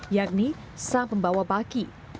yakni sah pembawa baki